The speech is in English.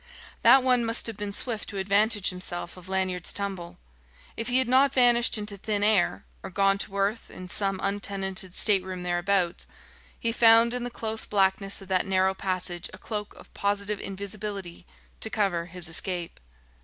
That one must have been swift to advantage himself of Lanyard's tumble. If he had not vanished into thin air, or gone to earth in some untenanted stateroom thereabouts, he found in the close blackness of that narrow passage a cloak of positive invisibility to cover his escape.